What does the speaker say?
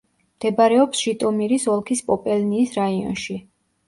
მდებარეობს ჟიტომირის ოლქის პოპელნიის რაიონში.